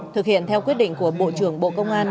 thực hiện theo quyết định của bộ trưởng bộ công an